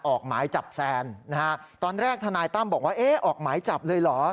ออกหมายจับแซนนะฮะตอนแรกทนายตั้มบอกว่าเอ๊ะออกหมายจับเลยเหรอ